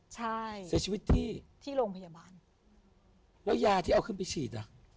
ใช่เสียชีวิตที่ที่โรงพยาบาลแล้วยาที่เอาขึ้นไปฉีดอ่ะ